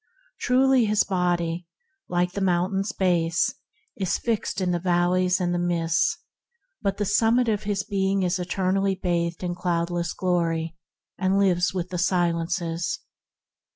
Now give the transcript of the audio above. Truly his body, like the mountain's base, is fixed in the valleys and the mists; but the summit of his being is eternally bathed in cloudless glory, and lives with the Silences.